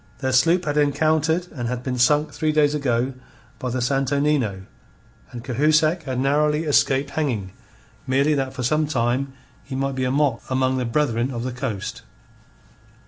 Their sloop had encountered and had been sunk three days ago by the Santo Nino, and Cahusac had narrowly escaped hanging merely that for some time he might be a mock among the Brethren of the Coast.